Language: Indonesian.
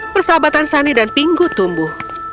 persahabatan sunny dan pingu tumbuh